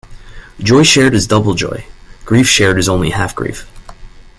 Joy shared is double joy; grief shared is only half grief.